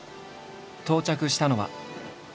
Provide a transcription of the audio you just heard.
到着したのは。